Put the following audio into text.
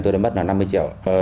tôi đã mất là năm mươi triệu